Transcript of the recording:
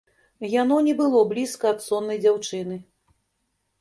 Яно не было блізка ад соннай дзяўчыны.